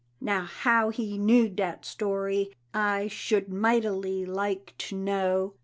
Now how he knew dat story I Should mightily like to know.